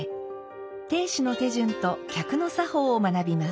亭主の手順と客の作法を学びます。